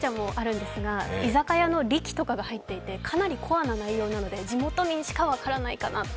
居酒屋のリキとかが入っていて、かなりコアな内容なので地元民しか分からないかなって。